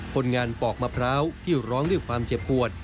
คนงานปอกมะพร้าวที่ร้องด้วยความเจ็บปวด